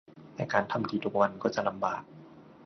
แต่การทำดีทุกวันก็จะลำบาก